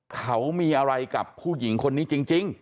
เขามีอะไรกับผู้หญิงคนนี้จริง